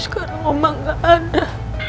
sekarang mama gak ada